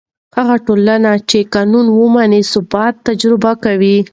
هغه ټولنه چې قانون ومني، ثبات تجربه کوي.